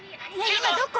今どこ？